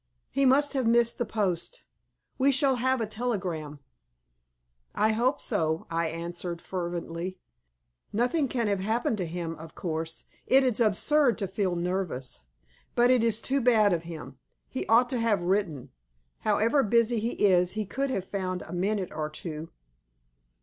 "He must have missed the post. We shall have a telegram." "I hope so," I answered, fervently. "Nothing can have happened to him, of course. It is absurd to feel nervous. But it is too bad of him. He ought to have written. However busy he is, he could have found a minute or two."